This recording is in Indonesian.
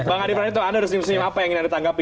bang adi prat itu ada resmi resmi apa yang ingin ditanggapi